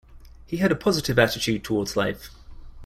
He had a positive attitude towards life.